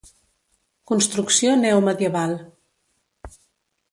Construcció neomedieval.